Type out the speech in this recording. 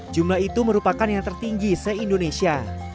jumlah itu merupakan yang tertinggi se indonesia